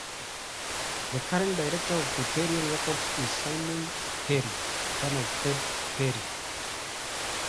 The current director of Hyperion Records is Simon Perry, son of Ted Perry.